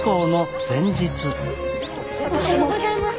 おはようございます。